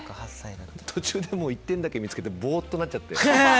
途中、１点だけ見つめてぼーっとなっちゃって。